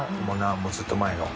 もうずっと前の。